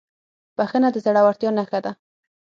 بښنه د زړهورتیا نښه ده.